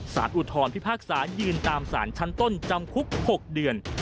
อุทธรพิพากษายืนตามสารชั้นต้นจำคุก๖เดือน